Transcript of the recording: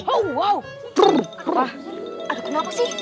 ada kenapa sih